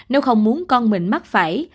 nếu không muốn con mình mắc phải